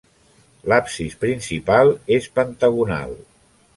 L'absis principal és pentagonal.